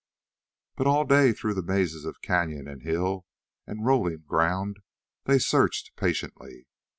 But all day through the mazes of canyon and hill and rolling ground they searched patiently.